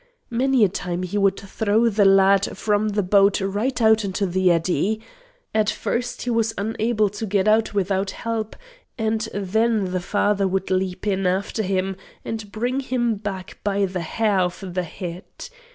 Many a time he would throw the lad from the boat right out into the eddy. At first he was unable to get out without help, and then the father would leap in after him and bring him back by the hair of the head.